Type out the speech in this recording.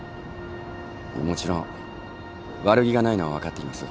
もちろん悪気がないのは分かっています。